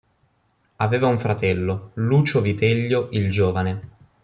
Aveva un fratello, Lucio Vitellio il Giovane.